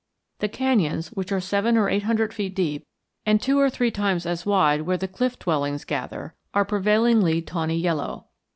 The canyons, which are seven or eight hundred feet deep and two or three times as wide where the cliff dwellings gather, are prevailingly tawny yellow.